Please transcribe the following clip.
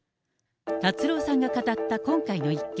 達郎さんが語った今回の一件。